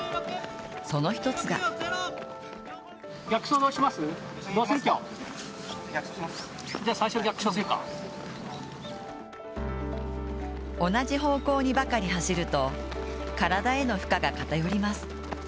その一つが同じ方向にばかり走ると体への負荷が偏ります。